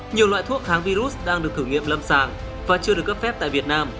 nhiều loại thuốc kháng virus đang được thử nghiệm lâm sàng và chưa được cấp phép tại việt nam